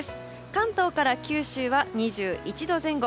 関東から九州は２１度前後。